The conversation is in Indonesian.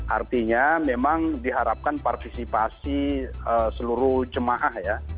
artinya memang diharapkan partisipasi seluruh jemaah ya